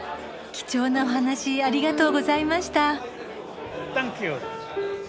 貴重なお話ありがとうございました。